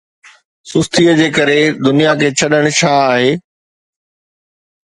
سُستيءَ جي ڪري دنيا کي ڇڏڻ ڇا آهي؟